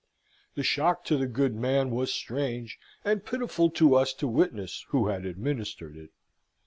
The shock to the good man was strange, and pitiful to us to witness who had administered it.